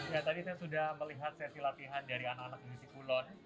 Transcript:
ya tadi saya sudah melihat sesi latihan dari anak anak di sikulon